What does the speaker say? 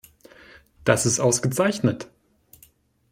Das ist ausgezeichnet.